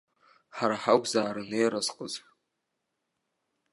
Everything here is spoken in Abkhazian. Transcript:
Ҳара ҳакәзаарын еиразҟыз.